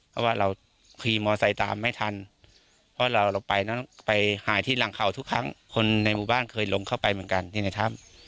เพราะว่าเราขี่มอไซค์ตามไม่ทันเพราะเราไปนั้นไปหายที่หลังเขาทุกครั้งคนในหมู่บ้านเคยลงเข้าไปเหมือนกันที่ในถ้ำ